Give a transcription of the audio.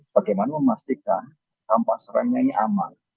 bagaimana memastikan kampas rem ini aman